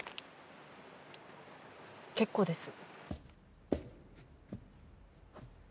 結構です。